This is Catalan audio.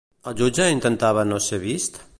El jutge intentava no ser vist?